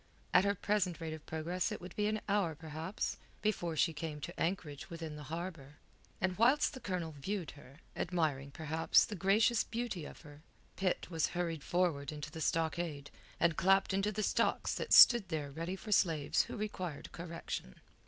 At her present rate of progress it would be an hour, perhaps, before she came to anchorage within the harbour. And whilst the Colonel viewed her, admiring, perhaps, the gracious beauty of her, Pitt was hurried forward into the stockade, and clapped into the stocks that stood there ready for slaves who required correction.